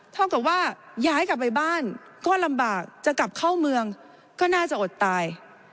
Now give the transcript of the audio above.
เท่ากับว่าย้ายกลับไปบ้านก็ลำบากจะกลับเข้าเมืองก็น่าจะอดตาย